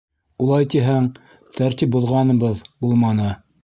Улай тиһәң, тәртип боҙғаныбыҙ булманы.